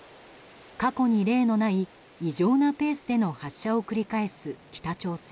過去に例のない異常なペースでの発射を繰り返す、北朝鮮。